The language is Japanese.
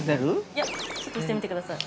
◆いや、ちょっと押してみてください。